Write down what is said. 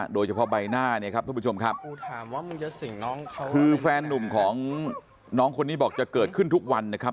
โดยเฉพาะใบหน้าเนี่ยครับทุกผู้ชมครับคือแฟนนุ่มของน้องคนนี้บอกจะเกิดขึ้นทุกวันนะครับ